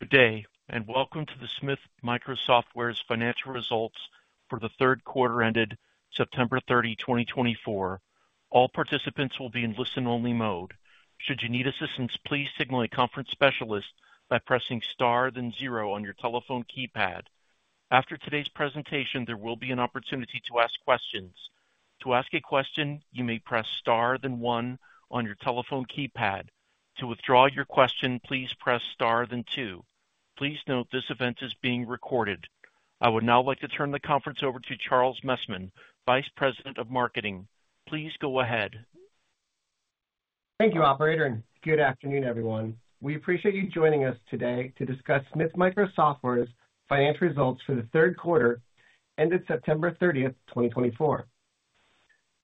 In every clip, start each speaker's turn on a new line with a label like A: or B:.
A: Good day, and welcome to the Smith Micro Software's Financial Results for the Third Quarter ended September 30, 2024. All participants will be in listen-only mode. Should you need assistance, please signal a conference specialist by pressing star then zero on your telephone keypad. After today's presentation, there will be an opportunity to ask questions. To ask a question, you may press star then one on your telephone keypad. To withdraw your question, please press star then two. Please note this event is being recorded. I would now like to turn the conference over to Charles Messman, Vice President of Marketing. Please go ahead.
B: Thank you, Operator, and good afternoon, everyone. We appreciate you joining us today to discuss Smith Micro Software's financial results for the third quarter ended September 30th, 2024.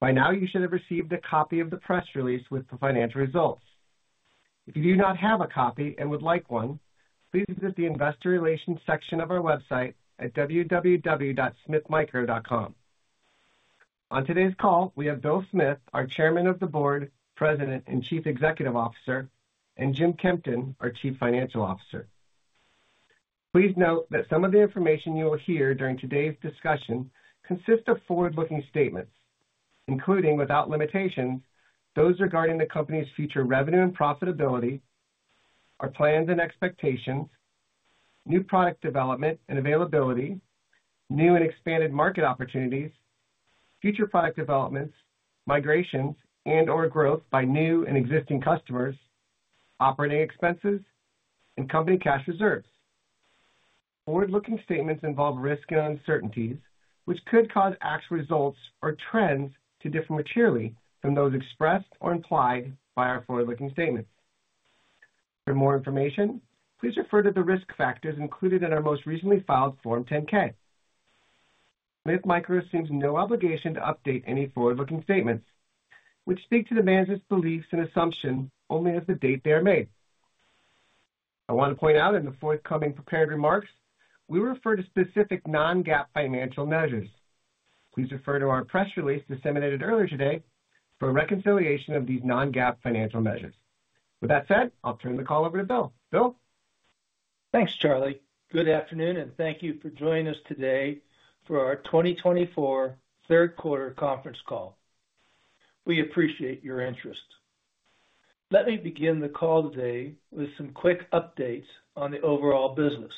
B: By now, you should have received a copy of the press release with the financial results. If you do not have a copy and would like one, please visit the investor relations section of our website at www.smithmicro.com. On today's call, we have Bill Smith, our Chairman of the Board, President, and Chief Executive Officer, and Jim Kempton, our Chief Financial Officer. Please note that some of the information you will hear during today's discussion consists of forward-looking statements, including, without limitations, those regarding the company's future revenue and profitability, our plans and expectations, new product development and availability, new and expanded market opportunities, future product developments, migrations and/or growth by new and existing customers, operating expenses, and company cash reserves. Forward-looking statements involve risk and uncertainties, which could cause actual results or trends to differ materially from those expressed or implied by our forward-looking statements. For more information, please refer to the risk factors included in our most recently filed Form 10-K. Smith Micro assumes no obligation to update any forward-looking statements, which speak to the management's belief and assumptions only as the date they are made. I want to point out in the forthcoming prepared remarks, we refer to specific non-GAAP financial measures. Please refer to our press release disseminated earlier today for a reconciliation of these non-GAAP financial measures. With that said, I'll turn the call over to Bill. Bill.
C: Thanks, Charlie. Good afternoon, and thank you for joining us today for our 2024 third quarter conference call. We appreciate your interest. Let me begin the call today with some quick updates on the overall business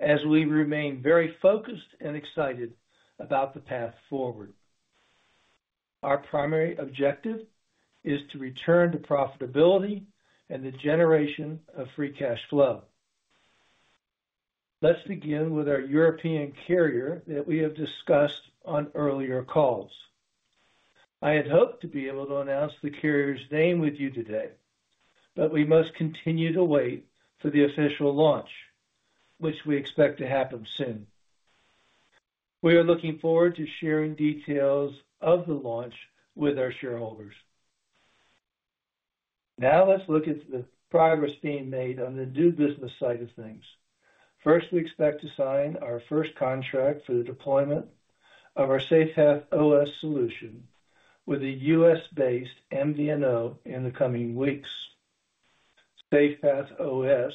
C: as we remain very focused and excited about the path forward. Our primary objective is to return to profitability and the generation of free cash flow. Let's begin with our European carrier that we have discussed on earlier calls. I had hoped to be able to announce the carrier's name with you today, but we must continue to wait for the official launch, which we expect to happen soon. We are looking forward to sharing details of the launch with our shareholders. Now let's look at the progress being made on the new business side of things. First, we expect to sign our first contract for the deployment of our SafePath OS solution with a U.S.-based MVNO in the coming weeks. SafePath OS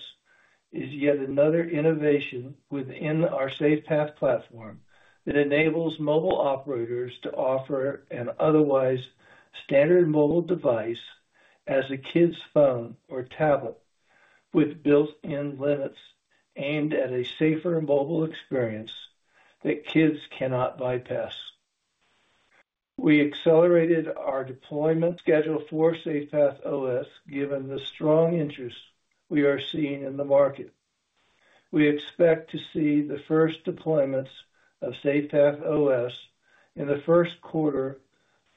C: is yet another innovation within our SafePath platform that enables mobile operators to offer an otherwise standard mobile device as a kid's phone or tablet with built-in limits aimed at a safer mobile experience that kids cannot bypass. We accelerated our deployment schedule for SafePath OS given the strong interest we are seeing in the market. We expect to see the first deployments of SafePath OS in the first quarter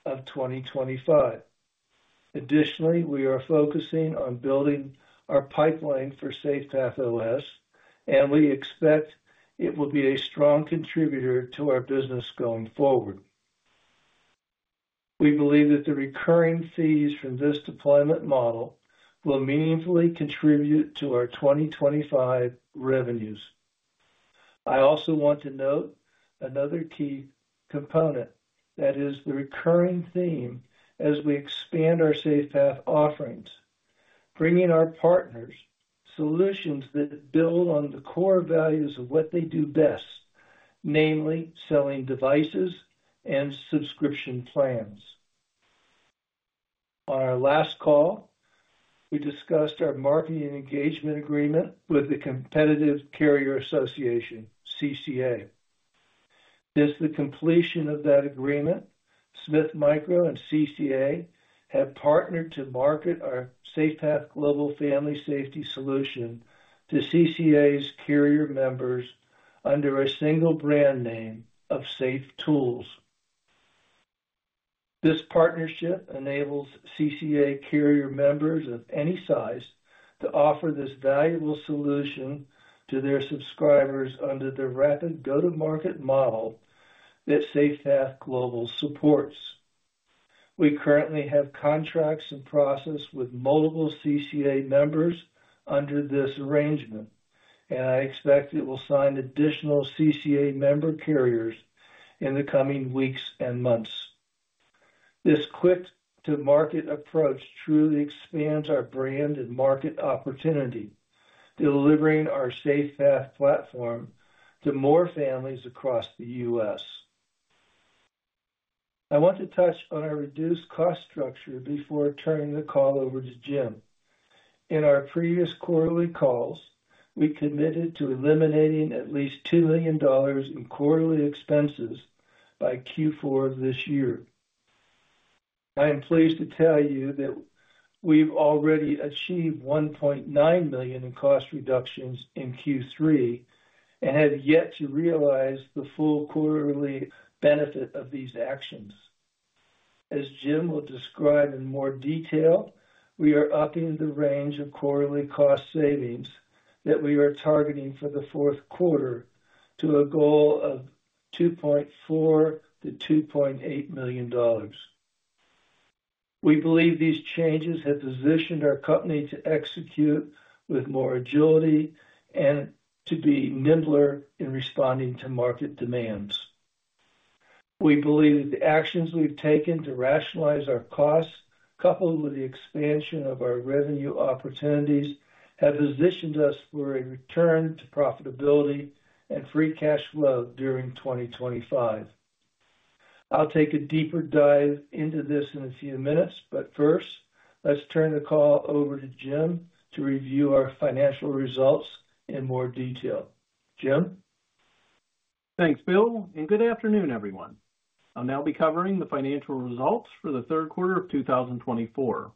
C: of 2025. Additionally, we are focusing on building our pipeline for SafePath OS, and we expect it will be a strong contributor to our business going forward. We believe that the recurring fees from this deployment model will meaningfully contribute to our 2025 revenues. I also want to note another key component that is the recurring theme as we expand our SafePath offerings, bringing our partners solutions that build on the core values of what they do best, namely selling devices and subscription plans. On our last call, we discussed our marketing engagement agreement with the Competitive Carriers Association, CCA. Since the completion of that agreement, Smith Micro and CCA have partnered to market our SafePath Global Family Safety Solution to CCA's carrier members under a single brand name of SafeTools. This partnership enables CCA carrier members of any size to offer this valuable solution to their subscribers under the rapid go-to-market model that SafePath Global supports. We currently have contracts in process with multiple CCA members under this arrangement, and I expect it will sign additional CCA member carriers in the coming weeks and months. This quick-to-market approach truly expands our brand and market opportunity, delivering our SafePath platform to more families across the U.S.. I want to touch on our reduced cost structure before turning the call over to Jim. In our previous quarterly calls, we committed to eliminating at least $2 million in quarterly expenses by Q4 of this year. I am pleased to tell you that we've already achieved $1.9 million in cost reductions in Q3 and have yet to realize the full quarterly benefit of these actions. As Jim will describe in more detail, we are upping the range of quarterly cost savings that we are targeting for the fourth quarter to a goal of $2.4 million-$2.8 million. We believe these changes have positioned our company to execute with more agility and to be nimbler in responding to market demands. We believe that the actions we've taken to rationalize our costs, coupled with the expansion of our revenue opportunities, have positioned us for a return to profitability and free cash flow during 2025. I'll take a deeper dive into this in a few minutes, but first, let's turn the call over to Jim to review our financial results in more detail. Jim.
D: Thanks, Bill, and good afternoon, everyone. I'll now be covering the financial results for the third quarter of 2024.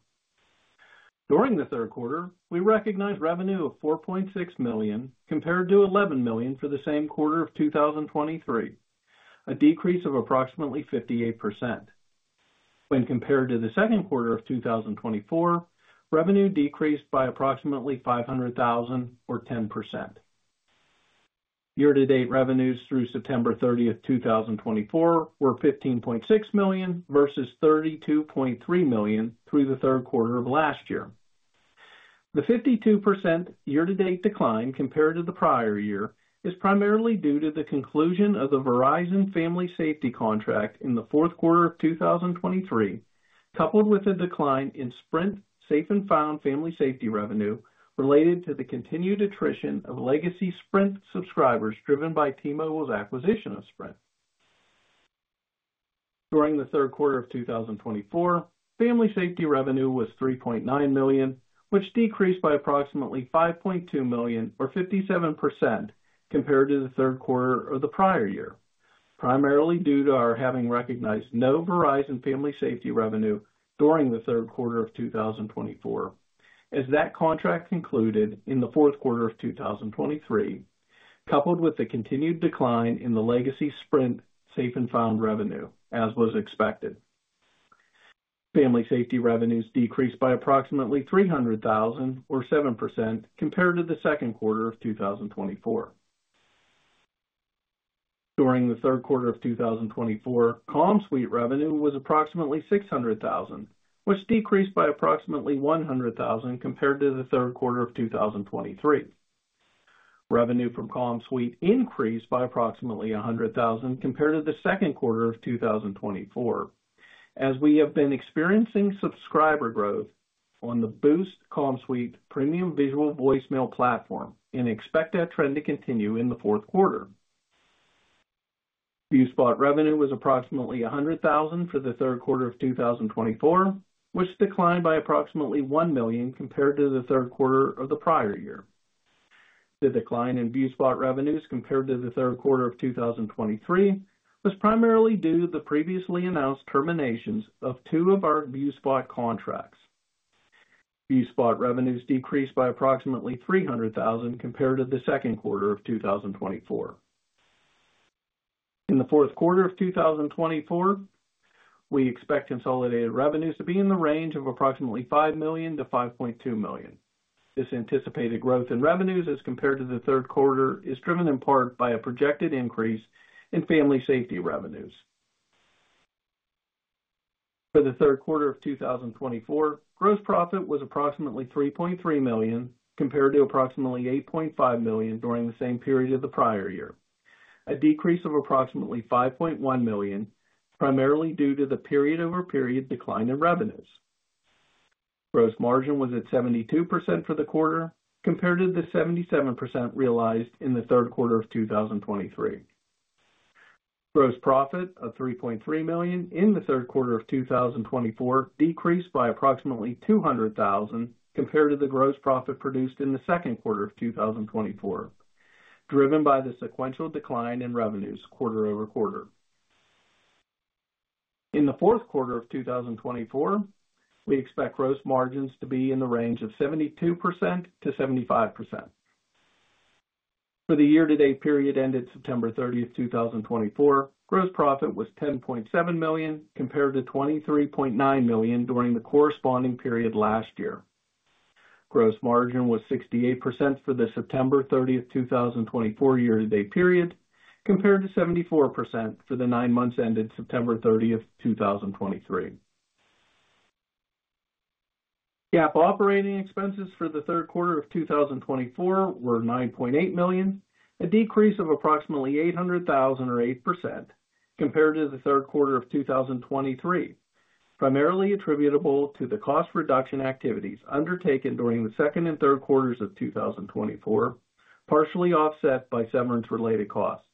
D: During the third quarter, we recognized revenue of $4.6 million compared to $11 million for the same quarter of 2023, a decrease of approximately 58%. When compared to the second quarter of 2024, revenue decreased by approximately $500,000 or 10%. Year-to-date revenues through September 30th, 2024, were $15.6 million versus $32.3 million through the third quarter of last year. The 52% year-to-date decline compared to the prior year is primarily due to the conclusion of the Verizon Family Safety contract in the fourth quarter of 2023, coupled with a decline in Sprint Safe & Found Family Safety revenue related to the continued attrition of legacy Sprint subscribers driven by T-Mobile's acquisition of Sprint. During the third quarter of 2024, Family Safety revenue was $3.9 million, which decreased by approximately $5.2 million or 57% compared to the third quarter of the prior year, primarily due to our having recognized no Verizon Family Safety revenue during the third quarter of 2024 as that contract concluded in the fourth quarter of 2023, coupled with the continued decline in the legacy Sprint Safe & Found revenue, as was expected. Family Safety revenues decreased by approximately $300,000 or 7% compared to the second quarter of 2024. During the third quarter of 2024, CommSuite revenue was approximately $600,000, which decreased by approximately $100,000 compared to the third quarter of 2023. Revenue from CommSuite increased by approximately $100,000 compared to the second quarter of 2024. As we have been experiencing subscriber growth on the Boost CommSuite Premium Visual Voicemail platform, we expect that trend to continue in the fourth quarter. ViewSpot revenue was approximately $100,000 for the third quarter of 2024, which declined by approximately $1 million compared to the third quarter of the prior year. The decline in ViewSpot revenues compared to the third quarter of 2023 was primarily due to the previously announced terminations of two of our ViewSpot contracts. ViewSpot revenues decreased by approximately $300,000 compared to the second quarter of 2024. In the fourth quarter of 2024, we expect consolidated revenues to be in the range of approximately $5 million-$5.2 million. This anticipated growth in revenues as compared to the third quarter is driven in part by a projected increase in Family Safety revenues. For the third quarter of 2024, gross profit was approximately $3.3 million compared to approximately $8.5 million during the same period of the prior year, a decrease of approximately $5.1 million, primarily due to the period-over-period decline in revenues. Gross margin was at 72% for the quarter compared to the 77% realized in the third quarter of 2023. Gross profit of $3.3 million in the third quarter of 2024 decreased by approximately $200,000 compared to the gross profit produced in the second quarter of 2024, driven by the sequential decline in revenues quarter-over-quarter. In the fourth quarter of 2024, we expect gross margins to be in the range of 72%-75%. For the year-to-date period ended September 30th, 2024, gross profit was $10.7 million compared to $23.9 million during the corresponding period last year. Gross margin was 68% for the September 30th, 2024 year-to-date period compared to 74% for the nine months ended September 30th, 2023. GAAP operating expenses for the third quarter of 2024 were $9.8 million, a decrease of approximately $800,000 or 8% compared to the third quarter of 2023, primarily attributable to the cost reduction activities undertaken during the second and third quarters of 2024, partially offset by severance-related costs.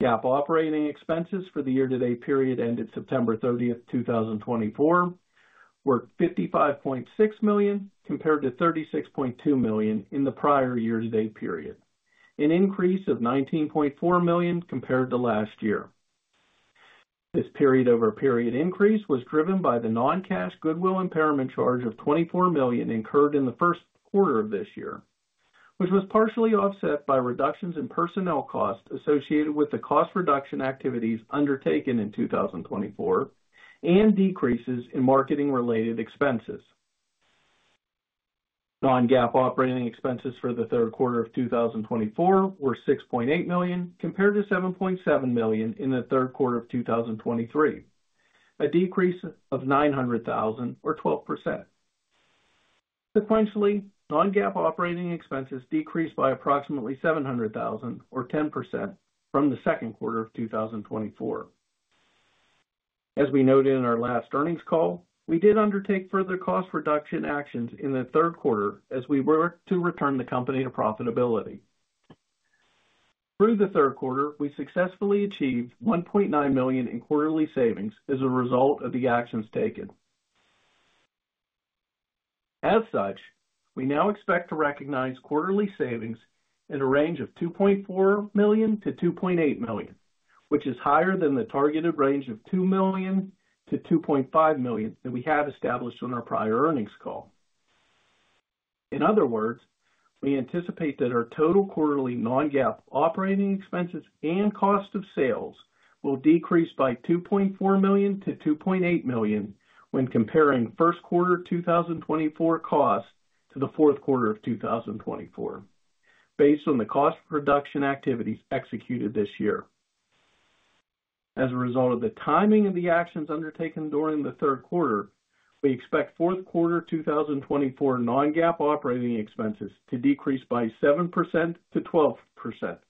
D: GAAP operating expenses for the year-to-date period ended September 30th, 2024, were $55.6 million compared to $36.2 million in the prior year-to-date period, an increase of $19.4 million compared to last year. This period-over-period increase was driven by the non-cash goodwill impairment charge of $24 million incurred in the first quarter of this year, which was partially offset by reductions in personnel costs associated with the cost reduction activities undertaken in 2024 and decreases in marketing-related expenses. Non-GAAP operating expenses for the third quarter of 2024 were $6.8 million compared to $7.7 million in the third quarter of 2023, a decrease of $900,000 or 12%. Sequentially, non-GAAP operating expenses decreased by approximately $700,000 or 10% from the second quarter of 2024. As we noted in our last earnings call, we did undertake further cost reduction actions in the third quarter as we worked to return the company to profitability. Through the third quarter, we successfully achieved $1.9 million in quarterly savings as a result of the actions taken. As such, we now expect to recognize quarterly savings in a range of $2.4 million-$2.8 million, which is higher than the targeted range of $2 million-$2.5 million that we have established on our prior earnings call. In other words, we anticipate that our total quarterly non-GAAP operating expenses and cost of sales will decrease by $2.4 million-$2.8 million when comparing first quarter of 2024 costs to the fourth quarter of 2024, based on the cost reduction activities executed this year. As a result of the timing of the actions undertaken during the third quarter, we expect fourth quarter 2024 non-GAAP operating expenses to decrease by 7%-12%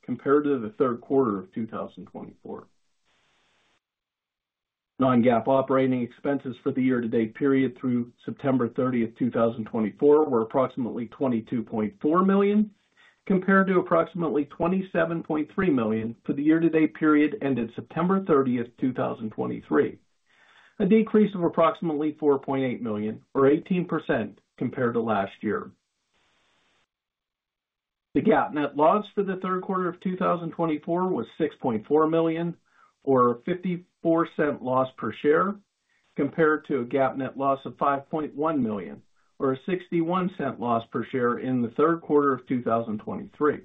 D: compared to the third quarter of 2024. Non-GAAP operating expenses for the year-to-date period through September 30th, 2024, were approximately $22.4 million compared to approximately $27.3 million for the year-to-date period ended September 30th, 2023, a decrease of approximately $4.8 million or 18% compared to last year. The GAAP net loss for the third quarter of 2024 was $6.4 million or a $0.54 loss per share compared to a GAAP net loss of $5.1 million or a $0.61 loss per share in the third quarter of 2023.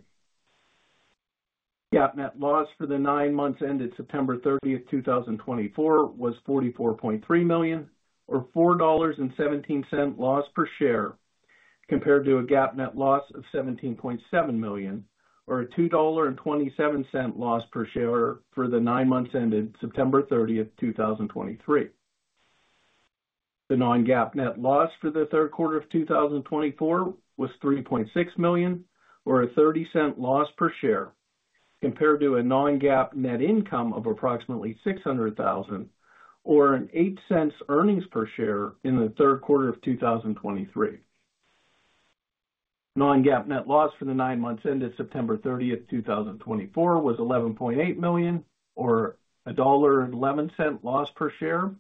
D: GAAP net loss for the nine months ended September 30th, 2024, was $44.3 million or a $4.17 loss per share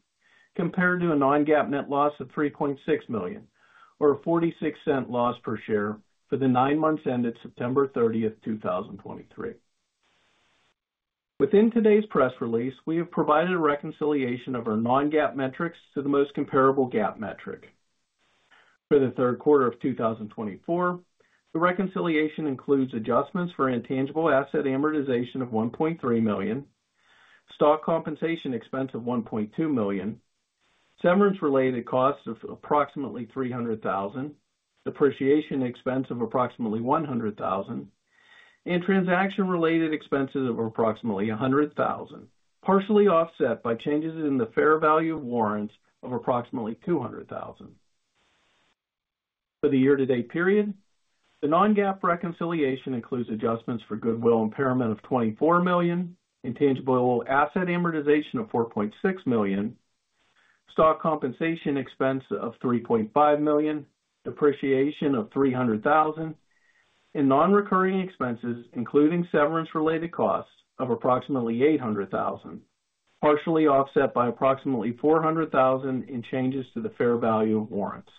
D: compared to a GAAP net loss of $17.7 million or a $2.27 loss per share for the nine months ended September 30th, 2023. The non-GAAP net loss for the third quarter of 2024 was $3.6 million or a $0.30 loss per share compared to a non-GAAP net income of approximately $600,000 or an $0.08 earnings per share in the third quarter of 2023. Non-GAAP net loss for the nine months ended September 30th, 2024, was $11.8 million or a $1.11 loss per share compared to a non-GAAP net loss of $3.6 million or a $0.46 loss per share for the nine months ended September 30th, 2023. Within today's press release, we have provided a reconciliation of our non-GAAP metrics to the most comparable GAAP metric. For the third quarter of 2024, the reconciliation includes adjustments for intangible asset amortization of $1.3 million, stock compensation expense of $1.2 million, severance-related costs of approximately $300,000, depreciation expense of approximately $100,000, and transaction-related expenses of approximately $100,000, partially offset by changes in the fair value of warrants of approximately $200,000. For the year-to-date period, the non-GAAP reconciliation includes adjustments for goodwill impairment of $24 million, intangible asset amortization of $4.6 million, stock compensation expense of $3.5 million, depreciation of $300,000, and non-recurring expenses, including severance-related costs of approximately $800,000, partially offset by approximately $400,000 in changes to the fair value of warrants.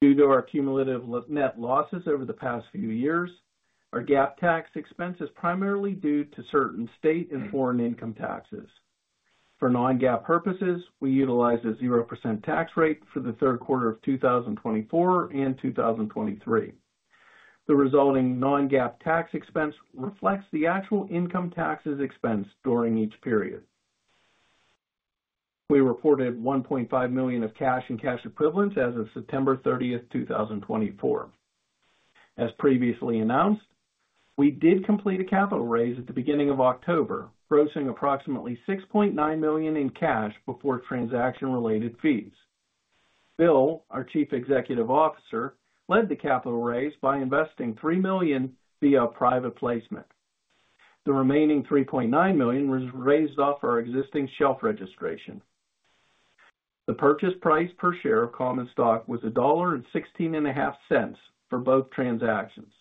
D: Due to our cumulative net losses over the past few years, our GAAP tax expense is primarily due to certain state and foreign income taxes. For non-GAAP purposes, we utilize a 0% tax rate for the third quarter of 2024 and 2023. The resulting non-GAAP tax expense reflects the actual income taxes expense during each period. We reported $1.5 million of cash and cash equivalents as of September 30th, 2024. As previously announced, we did complete a capital raise at the beginning of October, grossing approximately $6.9 million in cash before transaction-related fees. Bill, our Chief Executive Officer, led the capital raise by investing $3 million via a private placement. The remaining $3.9 million was raised off our existing shelf registration. The purchase price per share of Common Stock was $1.165 for both transactions.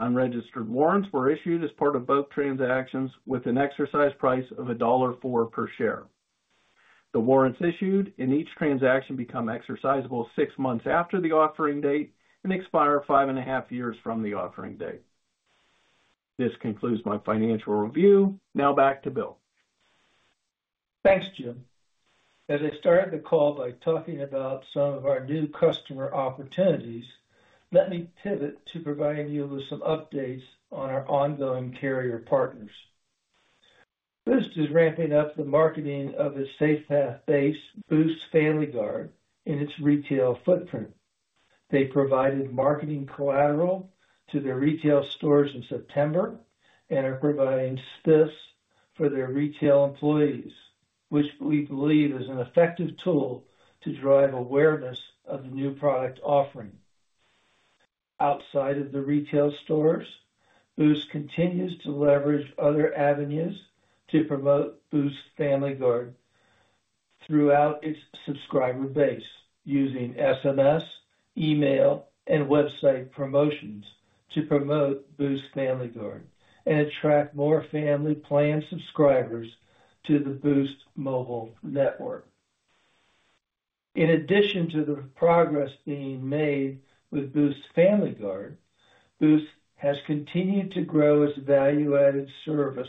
D: Unregistered warrants were issued as part of both transactions with an exercise price of $1.04 per share. The warrants issued in each transaction become exercisable six months after the offering date and expire five and a half years from the offering date. This concludes my financial review. Now back to Bill.
C: Thanks, Jim. As I started the call by talking about some of our new customer opportunities, let me pivot to providing you with some updates on our ongoing carrier partners. Boost is ramping up the marketing of its SafePath-based Boost Family Guard in its retail footprint. They provided marketing collateral to their retail stores in September and are providing SPIFFs for their retail employees, which we believe is an effective tool to drive awareness of the new product offering. Outside of the retail stores, Boost continues to leverage other avenues to promote Boost Family Guard throughout its subscriber base using SMS, email, and website promotions to promote Boost Family Guard and attract more family plan subscribers to the Boost Mobile network. In addition to the progress being made with Boost Family Guard, Boost has continued to grow its value-added service,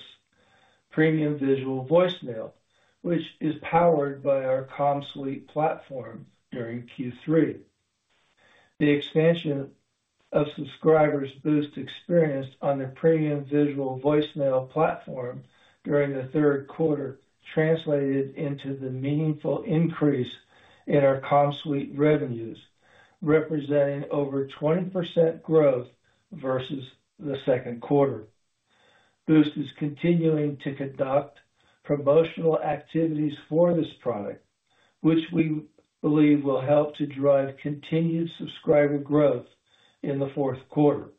C: Premium Visual Voicemail, which is powered by our CommSuite platform during Q3. The expansion of subscribers Boost experienced on the Premium Visual Voicemail platform during the third quarter translated into the meaningful increase in our CommSuite revenues, representing over 20% growth versus the second quarter. Boost is continuing to conduct promotional activities for this product, which we believe will help to drive continued subscriber growth in the fourth quarter.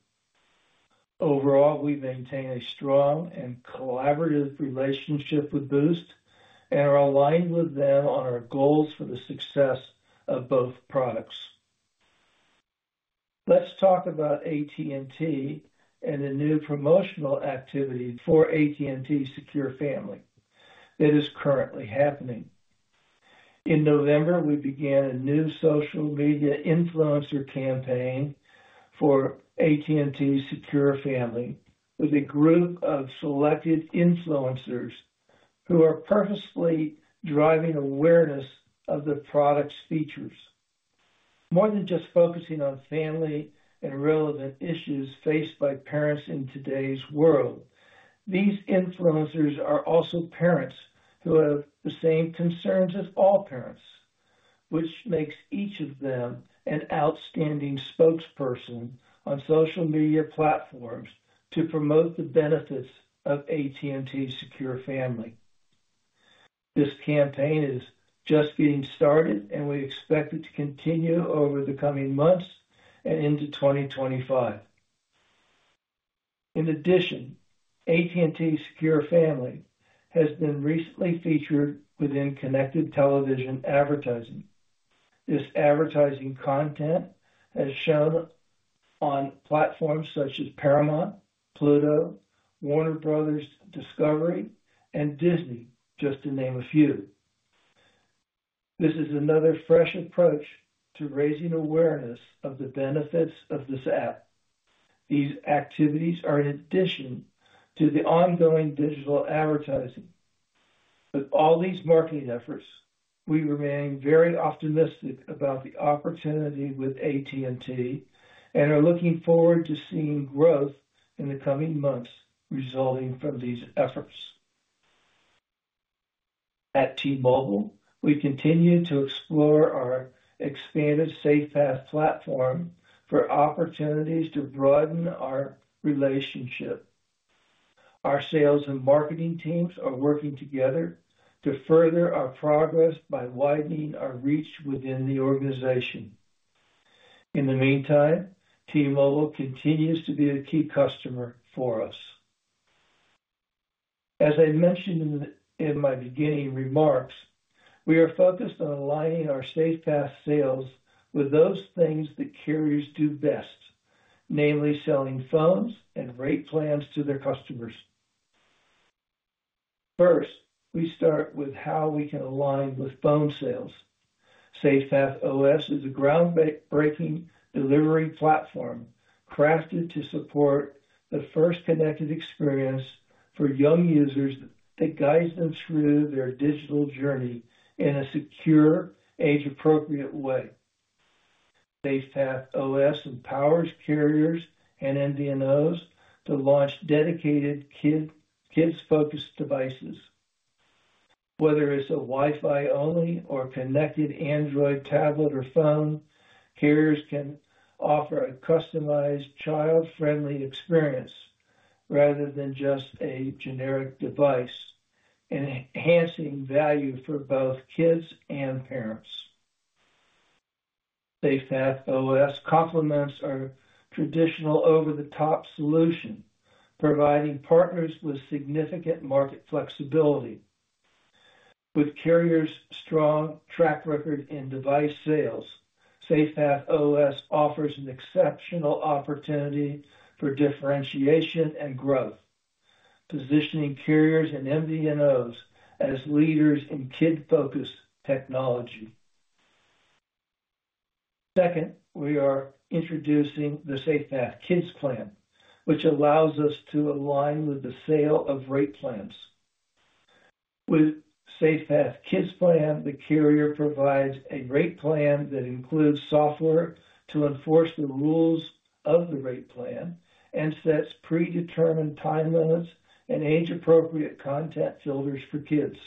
C: Overall, we maintain a strong and collaborative relationship with Boost and are aligned with them on our goals for the success of both products. Let's talk about AT&T and the new promotional activity for AT&T Secure Family that is currently happening. In November, we began a new social media influencer campaign for AT&T Secure Family with a group of selected influencers who are purposefully driving awareness of the product's features. More than just focusing on family and relevant issues faced by parents in today's world, these influencers are also parents who have the same concerns as all parents, which makes each of them an outstanding spokesperson on social media platforms to promote the benefits of AT&T Secure Family. This campaign is just getting started, and we expect it to continue over the coming months and into 2025. In addition, AT&T Secure Family has been recently featured within connected television advertising. This advertising content has shown on platforms such as Paramount, Pluto, Warner Bros. Discovery, and Disney, just to name a few. This is another fresh approach to raising awareness of the benefits of this app. These activities are in addition to the ongoing digital advertising. With all these marketing efforts, we remain very optimistic about the opportunity with AT&T and are looking forward to seeing growth in the coming months resulting from these efforts. At T-Mobile, we continue to explore our expanded SafePath platform for opportunities to broaden our relationship. Our sales and marketing teams are working together to further our progress by widening our reach within the organization. In the meantime, T-Mobile continues to be a key customer for us. As I mentioned in my beginning remarks, we are focused on aligning our SafePath sales with those things that carriers do best, namely selling phones and rate plans to their customers. First, we start with how we can align with phone sales. SafePath OS is a groundbreaking delivery platform crafted to support the first connected experience for young users that guides them through their digital journey in a secure, age-appropriate way. SafePath OS empowers carriers and MVNOs to launch dedicated kids-focused devices. Whether it's a Wi-Fi-only or connected Android tablet or phone, carriers can offer a customized child-friendly experience rather than just a generic device, enhancing value for both kids and parents. SafePath OS complements our traditional over-the-top solution, providing partners with significant market flexibility. With carriers' strong track record in device sales, SafePath OS offers an exceptional opportunity for differentiation and growth, positioning carriers and MVNOs as leaders in kid-focused technology. Second, we are introducing the SafePath Kids Plan, which allows us to align with the sale of rate plans. With SafePath Kids Plan, the carrier provides a rate plan that includes software to enforce the rules of the rate plan and sets predetermined time limits and age-appropriate content filters for kids.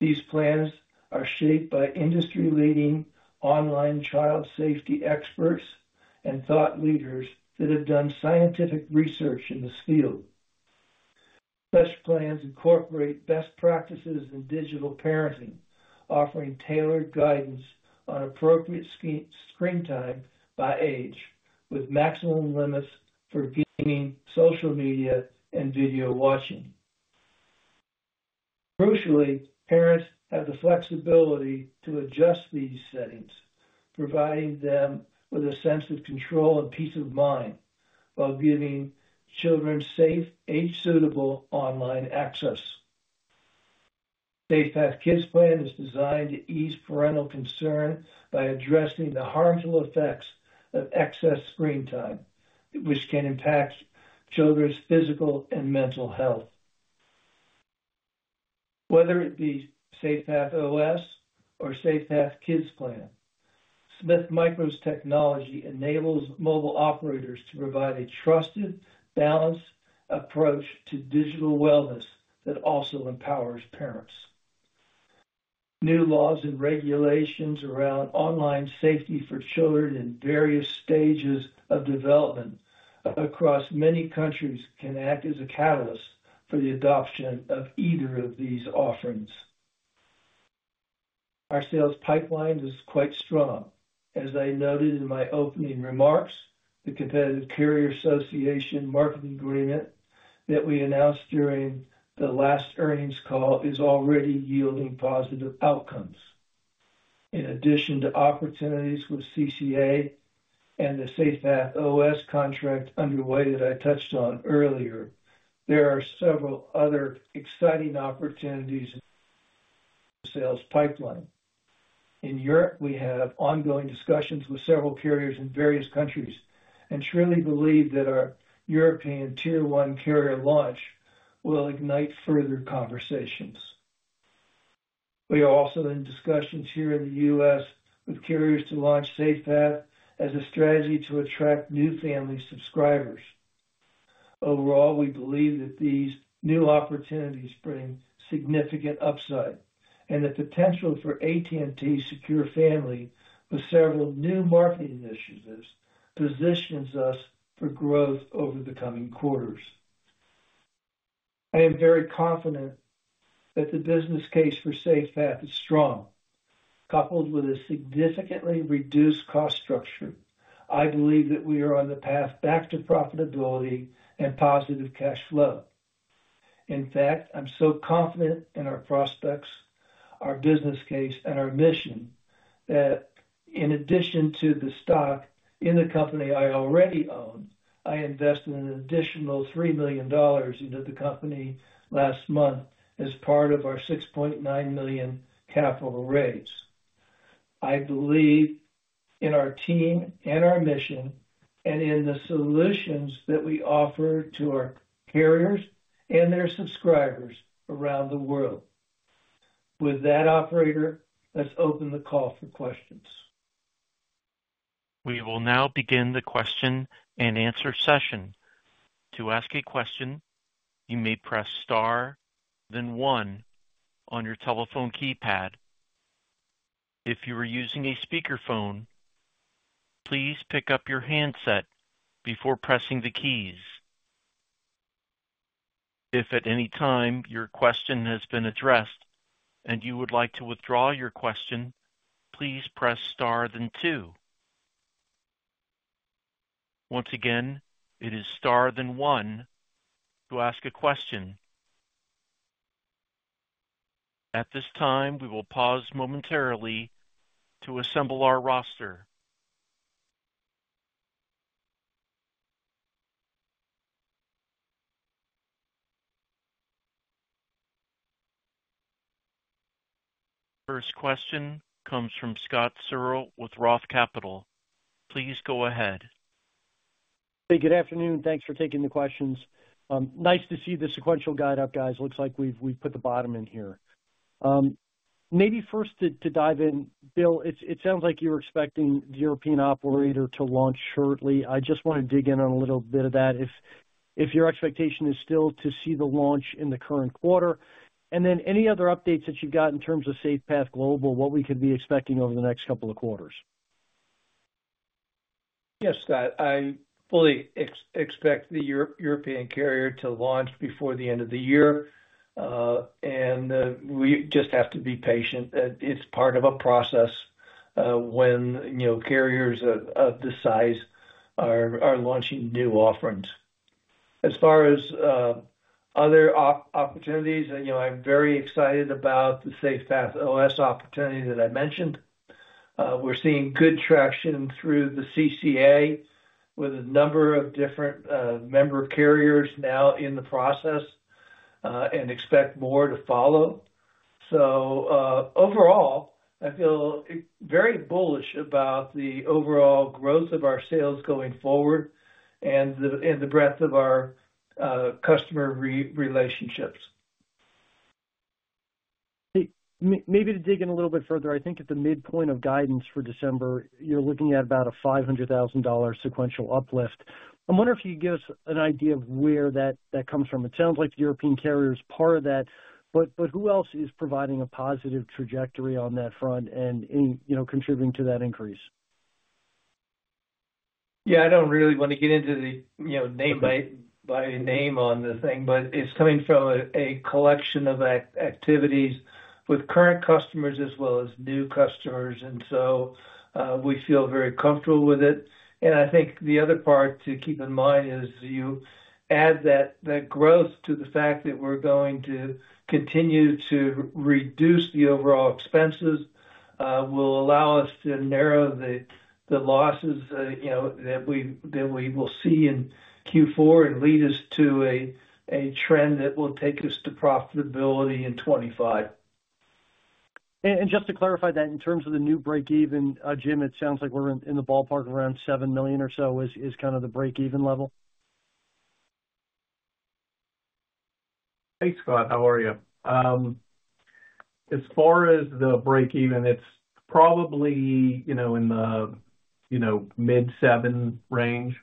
C: These plans are shaped by industry-leading online child safety experts and thought leaders that have done scientific research in this field. Such plans incorporate best practices in digital parenting, offering tailored guidance on appropriate screen time by age, with maximum limits for gaming, social media, and video watching. Crucially, parents have the flexibility to adjust these settings, providing them with a sense of control and peace of mind while giving children safe, age-suitable online access. SafePath Kids Plan is designed to ease parental concern by addressing the harmful effects of excess screen time, which can impact children's physical and mental health. Whether it be SafePath OS or SafePath Kids Plan, Smith Micro's technology enables mobile operators to provide a trusted, balanced approach to digital wellness that also empowers parents. New laws and regulations around online safety for children in various stages of development across many countries can act as a catalyst for the adoption of either of these offerings. Our sales pipeline is quite strong. As I noted in my opening remarks, the Competitive Carriers Association marketing agreement that we announced during the last earnings call is already yielding positive outcomes. In addition to opportunities with CCA and the SafePath OS contract underway that I touched on earlier, there are several other exciting opportunities in the sales pipeline. In Europe, we have ongoing discussions with several carriers in various countries and truly believe that our European Tier 1 carrier launch will ignite further conversations. We are also in discussions here in the U.S. with carriers to launch SafePath as a strategy to attract new family subscribers. Overall, we believe that these new opportunities bring significant upside, and the potential for AT&T Secure Family with several new marketing initiatives positions us for growth over the coming quarters. I am very confident that the business case for SafePath is strong. Coupled with a significantly reduced cost structure, I believe that we are on the path back to profitability and positive cash flow. In fact, I'm so confident in our prospects, our business case, and our mission that in addition to the stock in the company I already own, I invested an additional $3 million into the company last month as part of our $6.9 million capital raise. I believe in our team and our mission and in the solutions that we offer to our carriers and their subscribers around the world. With that, operator, let's open the call for questions.
A: We will now begin the question and answer session. To ask a question, you may press star then one on your telephone keypad. If you are using a speakerphone, please pick up your handset before pressing the keys. If at any time your question has been addressed and you would like to withdraw your question, please press star then two. Once again, it is star then one to ask a question. At this time, we will pause momentarily to assemble our roster. First question comes from Scott Searle with Roth Capital. Please go ahead.
E: Hey, good afternoon. Thanks for taking the questions. Nice to see the sequential guide up, guys. Looks like we've put the bottom in here. Maybe first to dive in, Bill, it sounds like you're expecting the European operator to launch shortly. I just want to dig in on a little bit of that. If your expectation is still to see the launch in the current quarter, and then any other updates that you've got in terms of SafePath Global, what we could be expecting over the next couple of quarters?
C: Yes, Scott. I fully expect the European carrier to launch before the end of the year, and we just have to be patient. It's part of a process when carriers of this size are launching new offerings. As far as other opportunities, I'm very excited about the SafePath OS opportunity that I mentioned. We're seeing good traction through the CCA with a number of different member carriers now in the process and expect more to follow. So overall, I feel very bullish about the overall growth of our sales going forward and the breadth of our customer relationships.
E: Maybe to dig in a little bit further, I think at the midpoint of guidance for December, you're looking at about a $500,000 sequential uplift. I'm wondering if you could give us an idea of where that comes from. It sounds like the European carrier is part of that, but who else is providing a positive trajectory on that front and contributing to that increase?
C: Yeah, I don't really want to get into the name by name on the thing, but it's coming from a collection of activities with current customers as well as new customers, and so we feel very comfortable with it. And I think the other part to keep in mind is you add that growth to the fact that we're going to continue to reduce the overall expenses will allow us to narrow the losses that we will see in Q4 and lead us to a trend that will take us to profitability in 2025.
E: And just to clarify that, in terms of the new break-even, Jim, it sounds like we're in the ballpark around $7 million or so is kind of the break-even level.
D: Hey, Scott, how are you? As far as the break-even, it's probably in the mid-$7 million range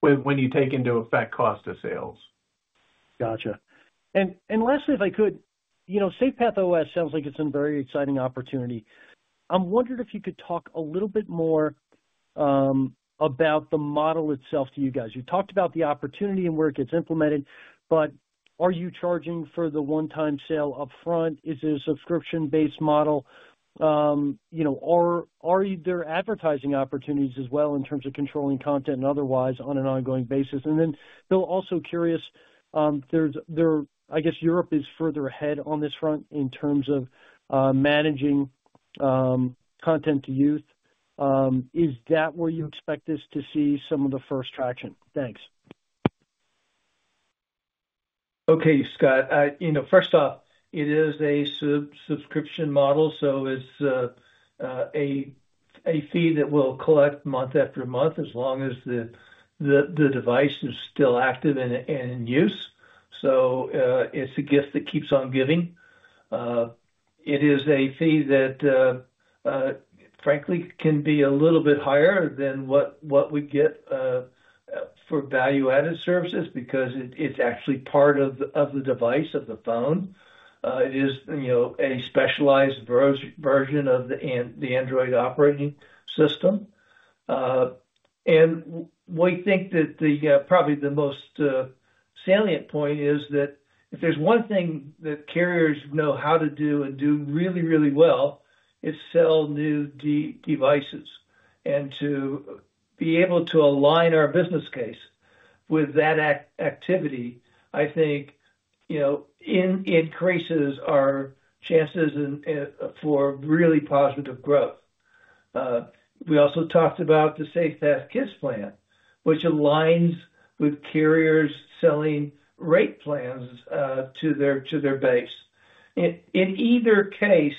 D: when you take into effect cost of sales.
E: Gotcha. Lastly, if I could, SafePath OS sounds like it's a very exciting opportunity. I'm wondering if you could talk a little bit more about the model itself to you guys. You talked about the opportunity and where it gets implemented, but are you charging for the one-time sale upfront? Is it a subscription-based model? Are there advertising opportunities as well in terms of controlling content and otherwise on an ongoing basis? And then, Bill, also curious, I guess Europe is further ahead on this front in terms of managing content to youth. Is that where you expect this to see some of the first traction? Thanks.
C: Okay, Scott. First off, it is a subscription model, so it's a fee that we'll collect month after month as long as the device is still active and in use. So it's a gift that keeps on giving. It is a fee that, frankly, can be a little bit higher than what we get for value-added services because it's actually part of the device, of the phone. It is a specialized version of the Android operating system, and we think that probably the most salient point is that if there's one thing that carriers know how to do and do really, really well, it's sell new devices, and to be able to align our business case with that activity, I think it increases our chances for really positive growth. We also talked about the SafePath Kids Plan, which aligns with carriers selling rate plans to their base. In either case,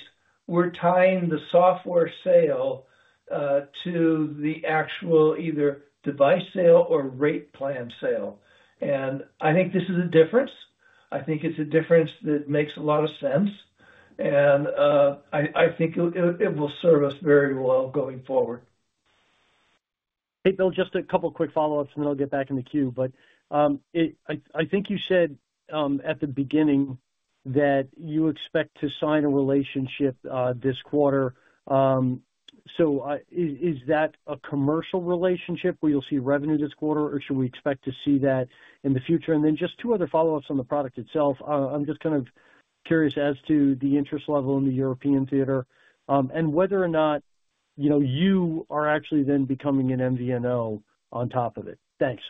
C: we're tying the software sale to the actual either device sale or rate plan sale, and I think this is a difference. I think it's a difference that makes a lot of sense. I think it will serve us very well going forward.
E: Hey, Bill, just a couple of quick follow-ups, and then I'll get back in the queue. I think you said at the beginning that you expect to sign a relationship this quarter. Is that a commercial relationship where you'll see revenue this quarter, or should we expect to see that in the future? Then just two other follow-ups on the product itself. I'm just kind of curious as to the interest level in the European theater and whether or not you are actually then becoming an MVNO on top of it. Thanks.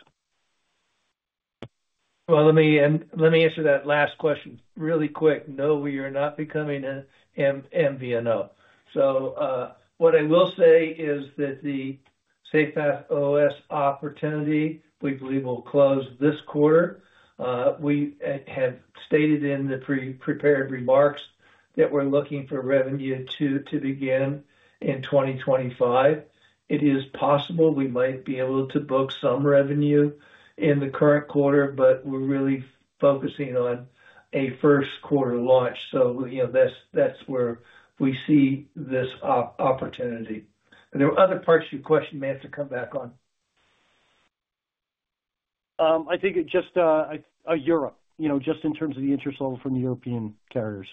C: Let me answer that last question really quick. No, we are not becoming an MVNO. What I will say is that the SafePath OS opportunity we believe will close this quarter. We have stated in the prepared remarks that we're looking for revenue to begin in 2025. It is possible we might be able to book some revenue in the current quarter, but we're really focusing on a first-quarter launch, so that's where we see this opportunity, and there were other parts you questioned me to come back on.
E: I think just Europe, just in terms of the interest level from the European carriers.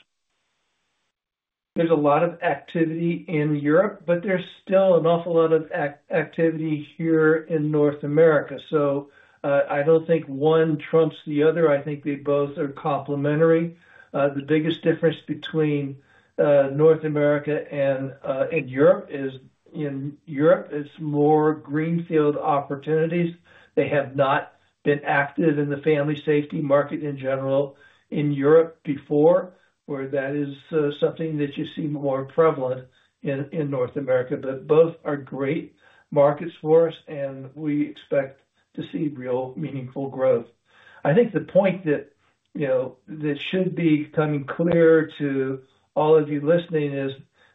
C: There's a lot of activity in Europe, but there's still an awful lot of activity here in North America, so I don't think one trumps the other. I think they both are complementary. The biggest difference between North America and Europe is in Europe, it's more greenfield opportunities. They have not been active in the family safety market in general in Europe before, where that is something that you see more prevalent in North America. But both are great markets for us, and we expect to see real meaningful growth. I think the point that should be coming clear to all of you listening is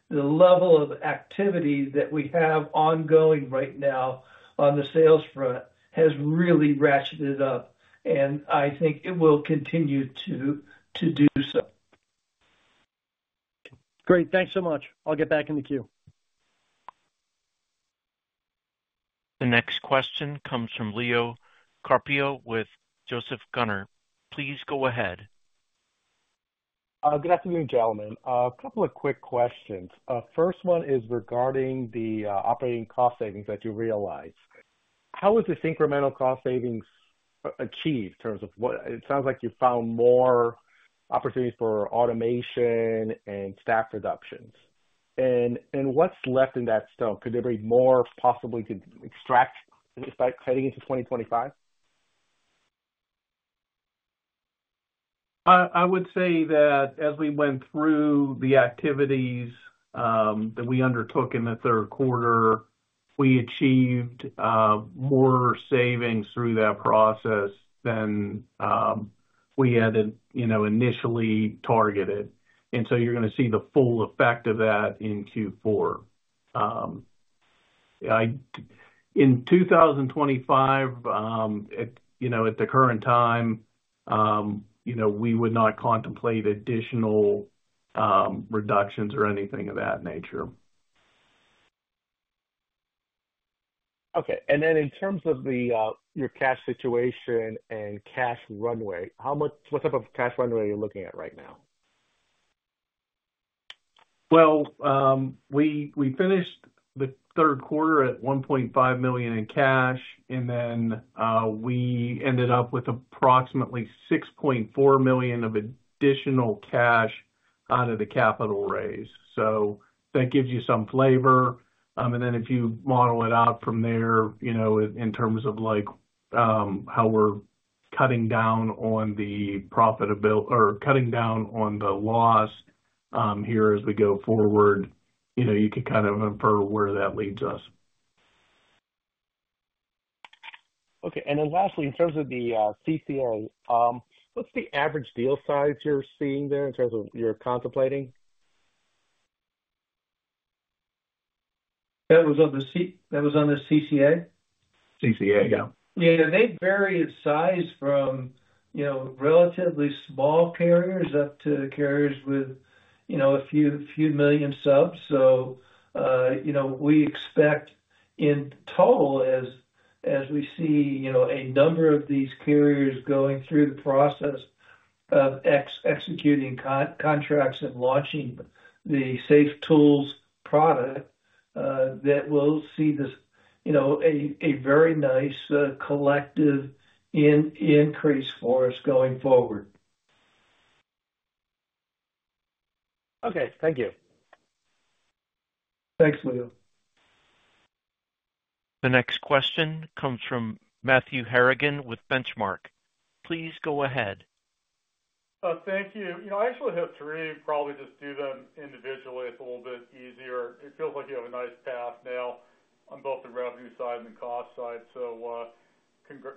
C: the level of activity that we have ongoing right now on the sales front has really ratcheted up, and I think it will continue to do so.
E: Great. Thanks so much. I'll get back in the queue.
A: The next question comes from Leo Carpio with Joseph Gunnar. Please go ahead.
F: Good afternoon, gentlemen. A couple of quick questions. First one is regarding the operating cost savings that you realized. How was this incremental cost savings achieved in terms of what it sounds like you found more opportunities for automation and staff reductions? And what's left in that stone? Could there be more possibly to extract heading into 2025?
C: I would say that as we went through the activities that we undertook in the third quarter, we achieved more savings through that process than we had initially targeted. And so you're going to see the full effect of that in Q4. In 2025, at the current time, we would not contemplate additional reductions or anything of that nature.
F: Okay. And then in terms of your cash situation and cash runway, what type of cash runway are you looking at right now?
C: Well, we finished the third quarter at $1.5 million in cash, and then we ended up with approximately $6.4 million of additional cash out of the capital raise. So that gives you some flavor. And then if you model it out from there in terms of how we're cutting down on the profitability or cutting down on the loss here as we go forward, you can kind of infer where that leads us.
F: Okay. And then lastly, in terms of the CCA, what's the average deal size you're seeing there in terms of you're contemplating?
C: That was on the C that was on the CCA?
F: CCA, yeah.
C: Yeah. They vary in size from relatively small carriers up to carriers with a few million subs. So we expect in total, as we see a number of these carriers going through the process of executing contracts and launching the SafeTools product, that we'll see a very nice collective increase for us going forward.
F: Okay. Thank you.
C: Thanks, Leo.
A: The next question comes from Matthew Harrigan with Benchmark. Please go ahead.
G: Thank you. I actually have three and probably just do them individually. It's a little bit easier. It feels like you have a nice path now on both the revenue side and the cost side. So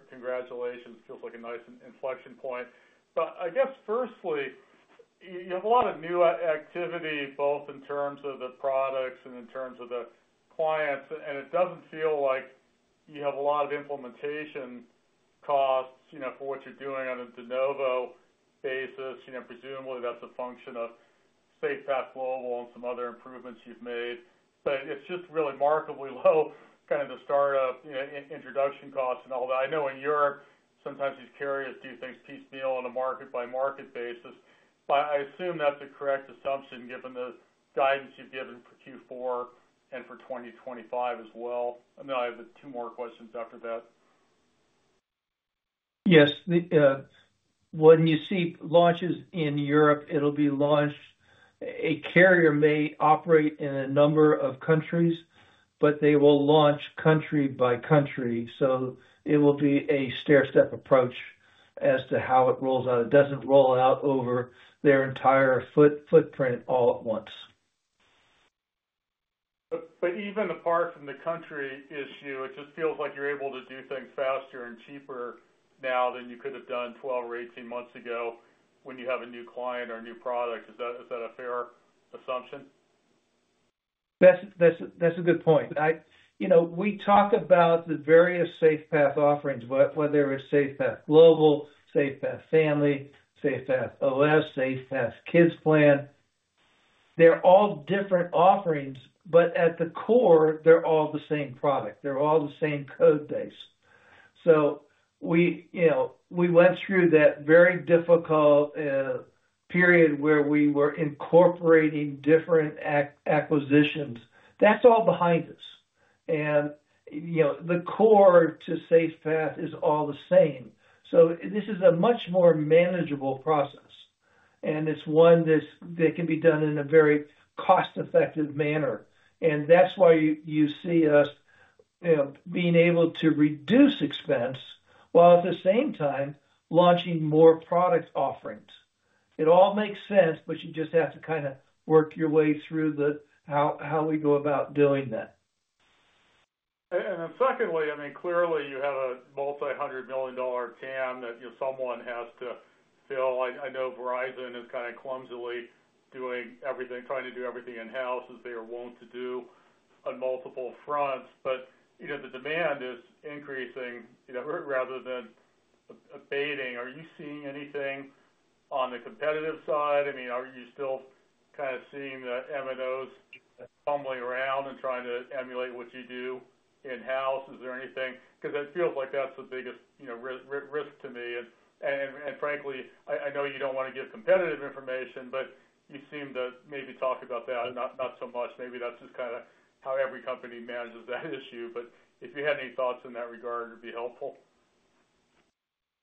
G: congratulations. It feels like a nice inflection point. But I guess, firstly, you have a lot of new activity both in terms of the products and in terms of the clients. And it doesn't feel like you have a lot of implementation costs for what you're doing on a de novo basis. Presumably, that's a function of SafePath Global and some other improvements you've made. But it's just really markedly low, kind of the startup introduction costs and all that. I know in Europe, sometimes these carriers do things piecemeal on a market-by-market basis. But I assume that's a correct assumption given the guidance you've given for Q4 and for 2025 as well. And then I have two more questions after that.
C: Yes. When you see launches in Europe, it'll be launched. A carrier may operate in a number of countries, but they will launch country by country. So it will be a stair-step approach as to how it rolls out. It doesn't roll out over their entire footprint all at once.
G: But even apart from the country issue, it just feels like you're able to do things faster and cheaper now than you could have done 12 or 18 months ago when you have a new client or a new product. Is that a fair assumption?
C: That's a good point. We talk about the various SafePath offerings, whether it's SafePath Global, SafePath Family, SafePath OS, SafePath Kids Plan. They're all different offerings, but at the core, they're all the same product. They're all the same code base. So we went through that very difficult period where we were incorporating different acquisitions. That's all behind us. And the core to SafePath is all the same. So this is a much more manageable process. And it's one that can be done in a very cost-effective manner. And that's why you see us being able to reduce expense while at the same time launching more product offerings. It all makes sense, but you just have to kind of work your way through how we go about doing that.
G: And then secondly, I mean, clearly, you have a multi-hundred million dollar TAM that someone has to fill. I know Verizon is kind of clumsily trying to do everything in-house as they are wont to do on multiple fronts. But the demand is increasing rather than abating. Are you seeing anything on the competitive side? I mean, are you still kind of seeing the MNOs fumbling around and trying to emulate what you do in-house? Is there anything? Because it feels like that's the biggest risk to me. And frankly, I know you don't want to give competitive information, but you seem to maybe talk about that not so much. Maybe that's just kind of how every company manages that issue. But if you had any thoughts in that regard, it would be helpful.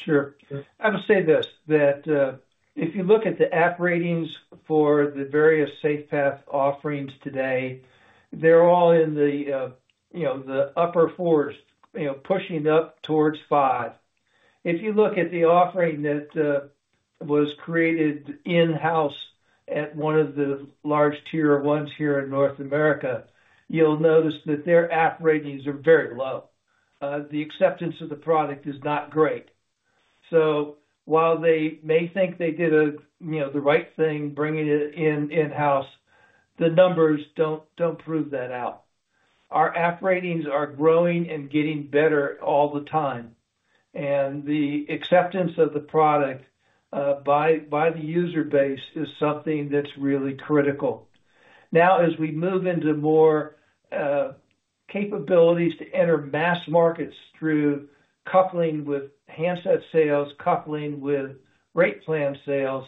C: Sure. I'll say this, that if you look at the app ratings for the various SafePath offerings today, they're all in the upper fours, pushing up towards five. If you look at the offering that was created in-house at one of the large Tier 1s here in North America, you'll notice that their app ratings are very low. The acceptance of the product is not great. So while they may think they did the right thing bringing it in-house, the numbers don't prove that out. Our app ratings are growing and getting better all the time. And the acceptance of the product by the user base is something that's really critical. Now, as we move into more capabilities to enter mass markets through coupling with handset sales, coupling with rate plan sales,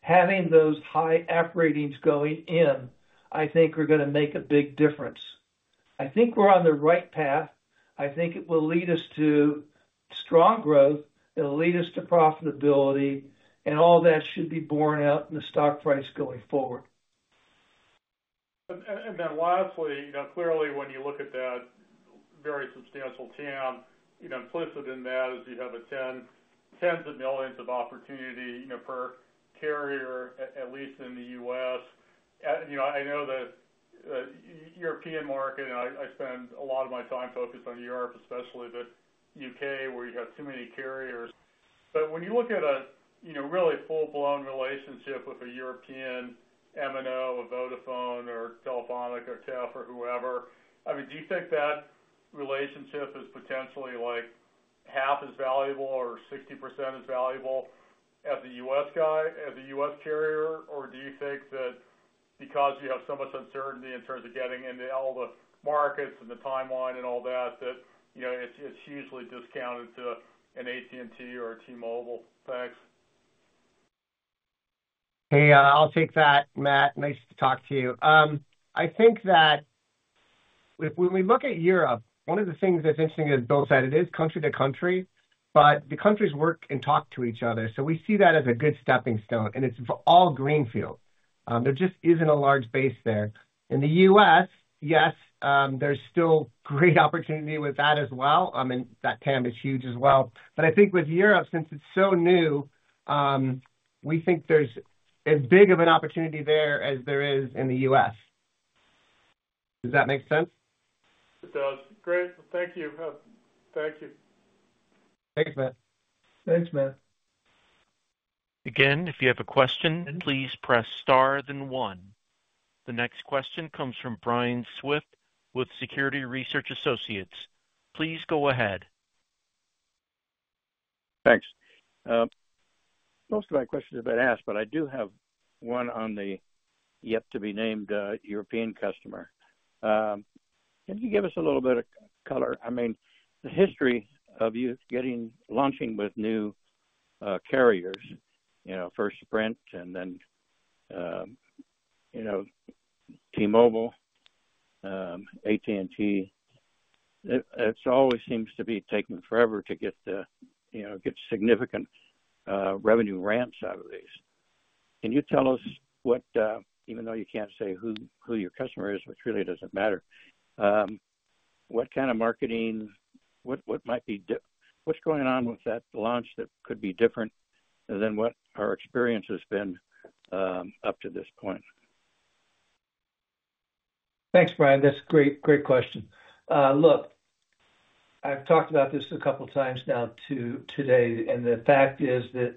C: having those high app ratings going in, I think we're going to make a big difference. I think we're on the right path. I think it will lead us to strong growth. It'll lead us to profitability. And all that should be borne out in the stock price going forward.
G: And then lastly, clearly, when you look at that very substantial TAM, implicit in that is you have tens of millions of opportunity per carrier, at least in the U.S. I know the European market, and I spend a lot of my time focused on Europe, especially the U.K., where you have too many carriers. But when you look at a really full-blown relationship with a European MNO, a Vodafone or Telefónica or TEF or whoever, I mean, do you think that relationship is potentially like half as valuable or 60% as valuable as the U.S. carrier? Or do you think that because you have so much uncertainty in terms of getting into all the markets and the timeline and all that, that it's hugely discounted to an AT&T or a T-Mobile? Thanks.
D: Hey, I'll take that, Matt. Nice to talk to you. I think that when we look at Europe, one of the things that's interesting is both sides. It is country to country, but the countries work and talk to each other. So we see that as a good stepping stone. And it's all greenfield. There just isn't a large base there. In the U.S., yes, there's still great opportunity with that as well. I mean, that TAM is huge as well. But I think with Europe, since it's so new, we think there's as big of an opportunity there as there is in the U.S. Does that make sense?
G: It does. Great. Thank you. Thank you.
D: Thanks, Matt.
C: Thanks, Matt.
A: Again, if you have a question, please press star then one. The next question comes from Brian Swift with Security Research Associates. Please go ahead.
H: Thanks. Most of my questions have been asked, but I do have one on the yet-to-be-named European customer. Can you give us a little bit of color? I mean, the history of you launching with new carriers, first Sprint and then T-Mobile, AT&T, it always seems to be taking forever to get significant revenue ramps out of these. Can you tell us what, even though you can't say who your customer is, which really doesn't matter, what kind of marketing, what might be what's going on with that launch that could be different than what our experience has been up to this point?
C: Thanks, Brian. That's a great question. Look, I've talked about this a couple of times now today. And the fact is that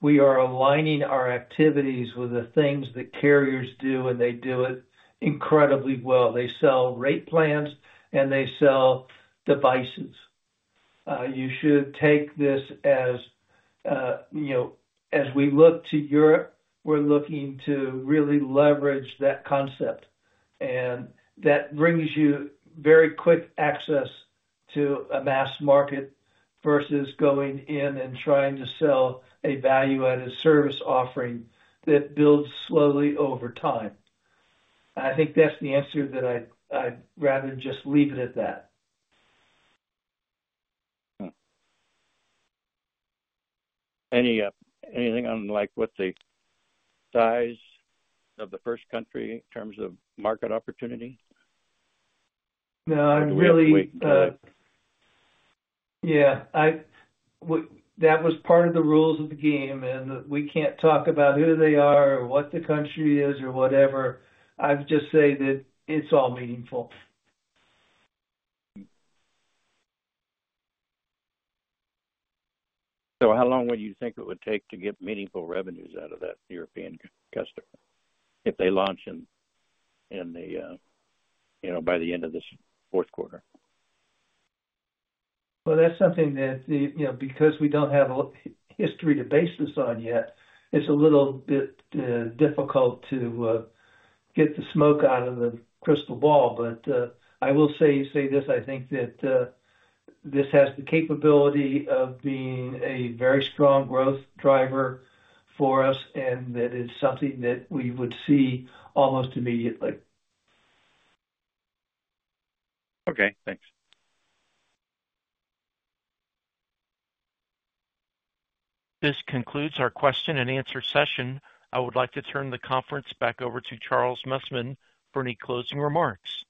C: we are aligning our activities with the things that carriers do, and they do it incredibly well. They sell rate plans, and they sell devices. You should take this as we look to Europe, we're looking to really leverage that concept. And that brings you very quick access to a mass market versus going in and trying to sell a value-added service offering that builds slowly over time. I think that's the answer that I'd rather just leave it at that.
H: Anything on what the size of the first country in terms of market opportunity?
C: No, really. Yeah. That was part of the rules of the game. And we can't talk about who they are or what the country is or whatever. I would just say that it's all meaningful.
H: So how long would you think it would take to get meaningful revenues out of that European customer if they launch by the end of this fourth quarter?
C: Well, that's something that, because we don't have a history to base this on yet, it's a little bit difficult to get the smoke out of the crystal ball. But I will say this. I think that this has the capability of being a very strong growth driver for us, and that is something that we would see almost immediately.
H: Okay. Thanks.
A: This concludes our question-and-answer session. I would like to turn the conference back over to Charles Messman for any closing remarks.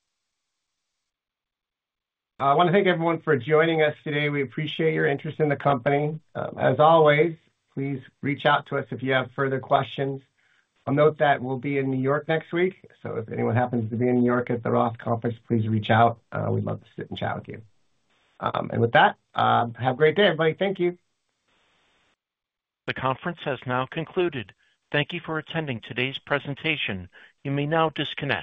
B: I want to thank everyone for joining us today. We appreciate your interest in the company. As always, please reach out to us if you have further questions. I'll note that we'll be in New York next week. So if anyone happens to be in New York at the Roth Conference, please reach out. We'd love to sit and chat with you. And with that, have a great day, everybody. Thank you.
A: The conference has now concluded. Thank you for attending today's presentation. You may now disconnect.